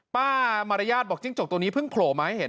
ป้ามารยาทบอกจิ้งจกตัวนี้เพิ่งโผล่มาให้เห็น